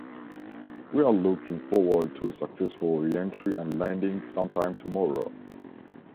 We are looking forward to a successful re-entry and landing sometime tomorrow.